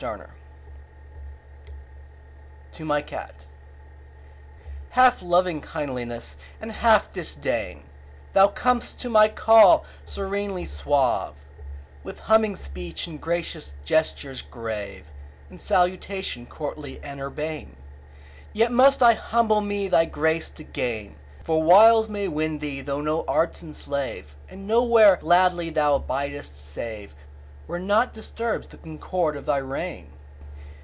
1860 To My Cat HALF loving kindliness and half disdain, Thou comest to my call serenely suave, With humming speech and gracious gestures grave, In salutation courtly and urbane; Yet must I humble me thy grace to gain, For wiles may win thee though no arts enslave, And nowhere gladly thou abidest saveWhere naught disturbs the concord of thy reign.